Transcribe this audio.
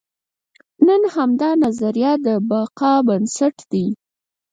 نن همدا نظریه د بقا بنسټ دی.